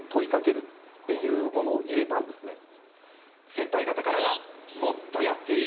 先輩方からは「もっとやっていい。